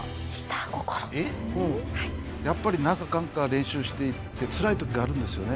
やっぱりなんだかんだ練習していてつらい時があるんですよね。